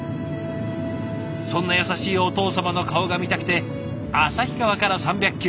そんな優しいお父様の顔が見たくて旭川から３００キロ